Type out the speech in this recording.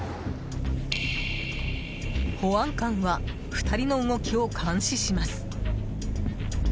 保安官は２人の動きを監視します。